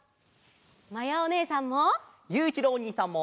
まやおねえさんも！